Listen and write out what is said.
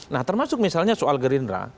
nah termasuk misalnya soal gerindra